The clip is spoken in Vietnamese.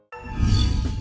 truy tìm một phần